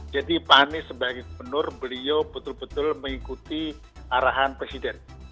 jadi pak anies sebagai penur beliau betul betul mengikuti arahan presiden